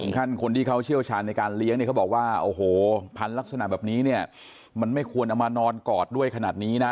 อันตรีกั้นคนที่เขาเชี่ยวชาญในการเลี้ยงครับเขาบอกว่าปันลักษณะแบบนี้มันไม่ควรเอามานอนกรอดด้วยขนาดนี้นะ